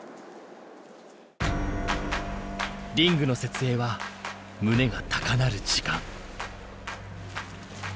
リングの設営は胸が高鳴る時間。